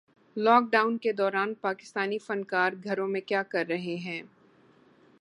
lock Dawn کے دوران پاکستانی فنکار گھروں میں کیا کررہے ہیں